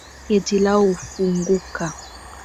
Geti lao hufunguka .